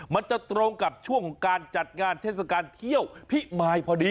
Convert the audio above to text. มันจะตรงกับช่วงของการจัดงานเทศกาลเที่ยวพิมายพอดี